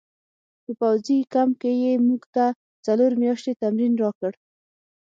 په پوځي کمپ کې یې موږ ته څلور میاشتې تمرین راکړ